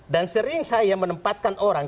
sering saya menempatkan orang